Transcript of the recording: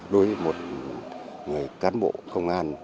đối với một người cán bộ công an